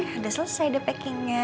udah selesai deh packingnya